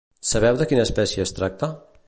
Sabeu de quina espècie es tracta?